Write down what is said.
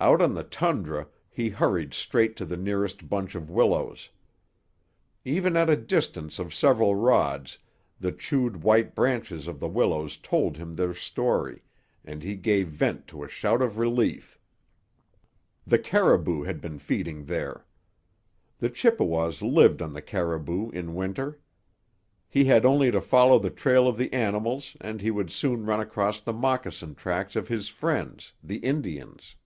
Out on the tundra he hurried straight to the nearest bunch of willows. Even at a distance of several rods the chewed white branches of the willows told him their story, and he gave vent to a shout of relief. The caribou had been feeding there. The Chippewas lived on the caribou in Winter. He had only to follow the trail of the animals and he would soon run across the moccasin tracks of his friends, the Indians.